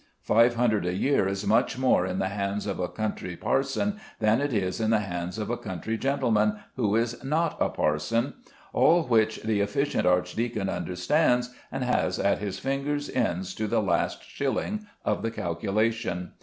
Five hundred a year is much more in the hands of a country parson than it is in the hands of a country gentleman who is not a parson, all which the efficient archdeacon understands and has at his fingers' ends to the last shilling of the calculation.